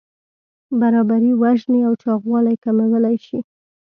برابري وژنې او چاغوالی کمولی شي.